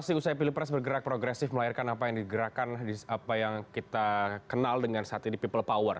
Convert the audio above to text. konstelasi usai pilih pres bergerak progresif melayarkan apa yang digerakkan apa yang kita kenal dengan saat ini people power